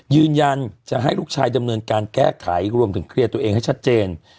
ยืนยันจะให้ลูกชายดำเนินการแก้ไขรวมถึงเคลียร์ตัวเองให้ชัดเจน